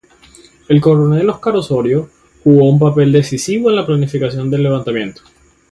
El Coronel Oscar Osorio jugó un papel decisivo en la planificación del levantamiento.